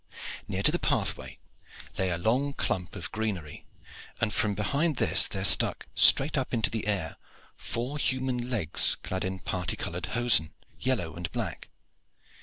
Near to the pathway lay a long clump of greenery, and from behind this there stuck straight up into the air four human legs clad in parti colored hosen, yellow and black.